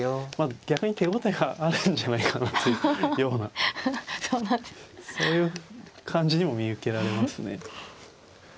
逆に手応えがあるんじゃないかなというようなそういう感じにも見受けられますね。